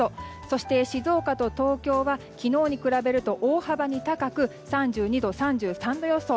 そして静岡と東京は昨日に比べると大幅に高く３２度、３３度予想。